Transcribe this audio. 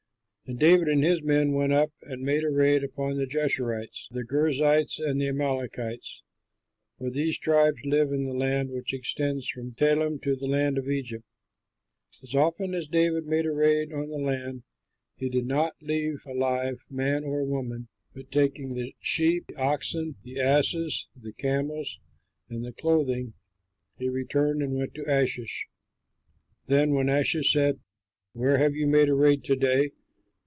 And David and his men went up and made a raid upon the Geshurites, the Girzites, and the Amalekites; for these tribes live in the land which extends from Telem to the land of Egypt. As often as David made a raid on the land, he did not leave alive man or woman, but taking the sheep, the oxen, the asses, the camels, and the clothing, he returned and went to Achish. Then when Achish said, "Where have you made a raid to day?"